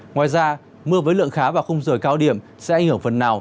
ngoài ra mưa với lượng khá và không rời cao điểm sẽ ảnh hưởng phần nào